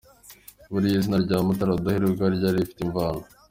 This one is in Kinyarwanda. Buri zina rya Mutara Rudahigwa ryari rifite imvano.